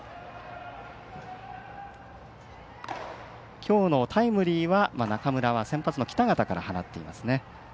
きょうのタイムリーは中村は先発の北方から放っていますね。